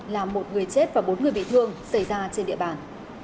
làm một người chết và bốn người bị thương xảy ra trên địa bàn